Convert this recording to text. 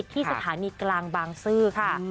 ที่สถานีกลางบางซื่อค่ะ